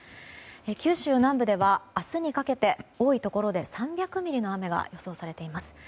九州南部では明日にかけて多いところで３００ミリの雨が予想されています。